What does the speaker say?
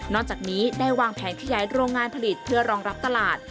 จากนี้ได้วางแผนขยายโรงงานผลิตเพื่อรองรับตลาด